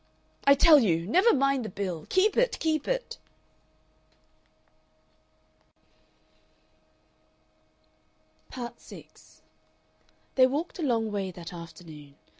I tell you never mind the bill. Keep it! Keep it!" Part 6 They walked a long way that afternoon.